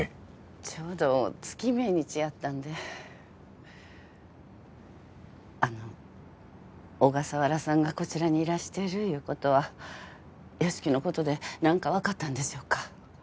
ちょうど月命日やったんであの小笠原さんがこちらにいらしてるいうことは由樹のことで何か分かったんでしょうか？